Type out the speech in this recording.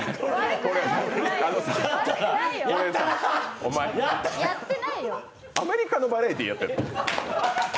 お前、アメリカのバラエティーやってんの？